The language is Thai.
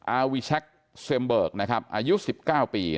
อาวิชักเซมเบิร์กอายุ๑๙ปี